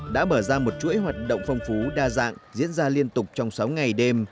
đã mở ra một chuỗi hoạt động phong phú đa dạng diễn ra liên tục trong sáu ngày đêm